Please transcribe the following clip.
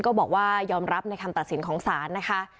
ก็บอกว่ายอมรับในคำตัดสินของศาลนะคะ